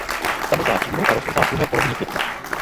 Zamrzá v říjnu a rozmrzá ve druhé polovině května.